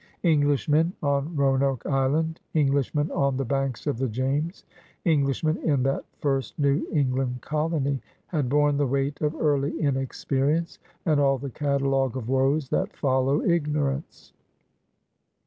Englishmen on Roanoke Island, Englishmen on the banks of the James, Englishmen in that first New England colony, had borne the weight of early inexperience and all the catalogue of woes that follow ignorance.